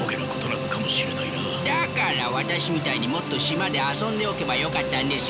だから私みたいにもっと島で遊んでおけばよかったんですよ。